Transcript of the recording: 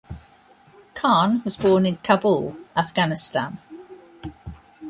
Khan was born in Kabul, Afghanistan.